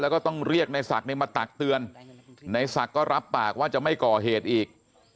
แล้วก็ต้องเรียกในศักดิ์มาตักเตือนในศักดิ์ก็รับปากว่าจะไม่ก่อเหตุอีก